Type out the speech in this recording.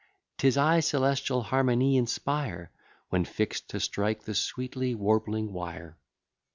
'Tis I celestial harmony inspire, When fix'd to strike the sweetly warbling wire.